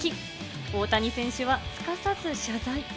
大谷選手はすかさず謝罪。